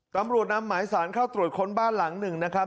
ตำรวจนำหมายสารเข้าตรวจค้นบ้านหลังหนึ่งนะครับ